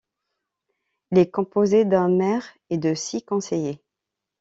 Il est composé d'un maire et de six conseillers.